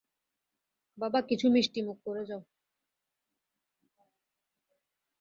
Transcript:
বাবা, কিছু মিষ্টিমুখ করে যাও।